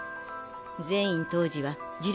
禪院甚爾は呪力